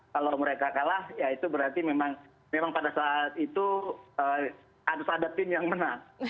kalau mereka kalah ya itu berarti memang pada saat itu harus ada tim yang menang